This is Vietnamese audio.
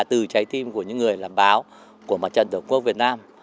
từ trái tim của những người làm báo của mặt trận tổ quốc việt nam